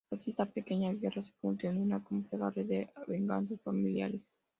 Así, esta pequeña guerra se convirtió en una compleja red de venganzas familiares.